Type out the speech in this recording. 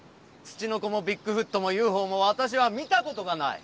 ツチノコもビッグフットもＵＦＯもわたしは見たことがない。